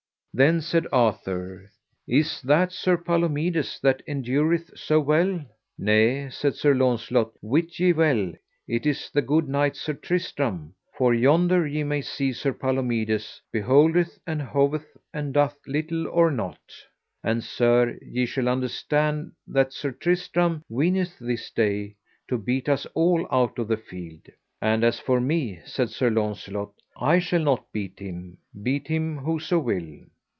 Then said Sir Arthur: Is that Sir Palomides that endureth so well? Nay, said Sir Launcelot, wit ye well it is the good knight Sir Tristram, for yonder ye may see Sir Palomides beholdeth and hoveth, and doth little or nought. And sir, ye shall understand that Sir Tristram weeneth this day to beat us all out of the field. And as for me, said Sir Launcelot, I shall not beat him, beat him whoso will.